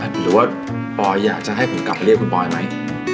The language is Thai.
หรือว่าปอยอยากจะให้ผมกลับไปเรียกคุณปอยไหม